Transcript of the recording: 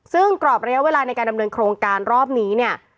ซึ่งกรอบระยะเวลาในการดำเนินโครงการรอบนี้เนี่ย